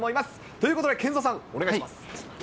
ということで、ＫＥＮＺＯさん、お願いします。